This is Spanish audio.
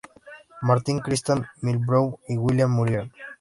Martin, Christian, Mills, Brown y Williams murieron.